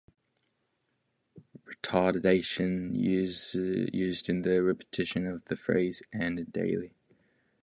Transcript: Retardation is used in the repetition of the phrase "And daily".